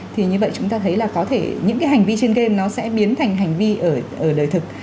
thì như vậy chúng ta thấy là có thể những cái hành vi trên game nó sẽ biến thành hành vi ở đời thực